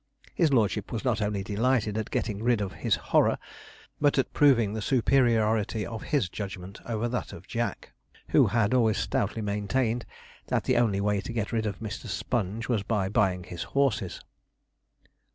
His lordship was not only delighted at getting rid of his horror, but at proving the superiority of his judgement over that of Jack, who had always stoutly maintained that the only way to get rid of Mr. Sponge was by buying his horses.